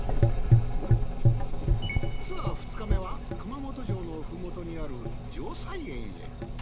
ツアー２日目は熊本城の麓にある城彩苑へ。